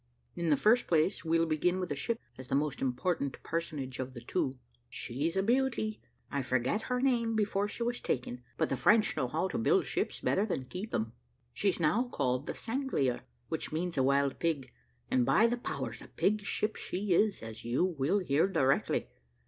In the first place, we'll begin with the ship, as the most important personage of the two: she's a beauty. I forget her name before she was taken, but the French know how to build ships better than keep them. She's now called the Sanglier, which means a wild pig, and, by the powers! a pig ship she is, as you will hear directly.